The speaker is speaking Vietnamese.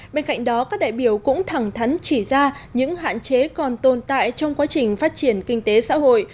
bên cạnh đó các đại biểu cũng thẳng thắn chỉ ra những hạn chế còn tồn tại trong quá trình phát triển kinh tế xã hội